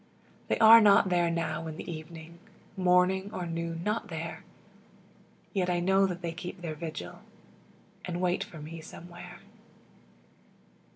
They are not there now in the evening Morning or noon not there; Yet I know that they keep their vigil, And wait for me Somewhere.